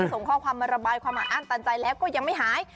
ส่งข้อความมาระบายความอัดอั้นตันใจแล้วก็ยังไม่หาย